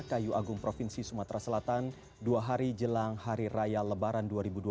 kayu agung provinsi sumatera selatan dua hari jelang hari raya lebaran dua ribu dua puluh